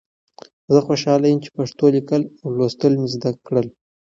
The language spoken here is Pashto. زه خوشحاله یم چې پښتو لیکل او لوستل مې زده کړل.